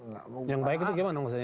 yang baik itu gimana maksudnya